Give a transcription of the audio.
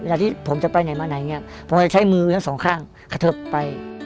ที่ผมจะไปไหนมาไหนเนี่ยผมจะใช้มือทั้งสองข้างกระเทิบไป